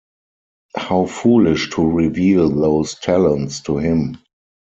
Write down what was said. How foolish to reveal those talons to him.